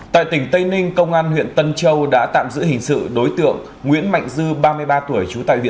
tại tỉnh tây ninh công an huyện tân châu đã tạm giữ hình sự đối tượng nguyễn mạnh dư ba mươi ba tuổi